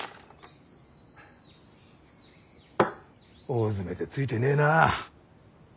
大詰めでツイてねえな。